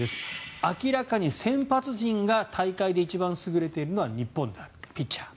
明らかに先発陣が大会で一番優れているのは日本である、ピッチャー。